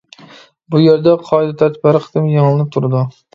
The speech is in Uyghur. بۇ يەردە قائىدە-تەرتىپ ھەر قېتىم يېڭىلىنىپ تۇرىدۇ.